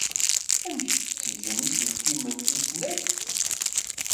Amek ay ttgen yiselkimen tusnakt?